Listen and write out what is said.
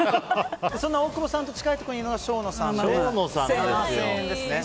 大久保さんと近いところにいるのが生野さん、７０００円。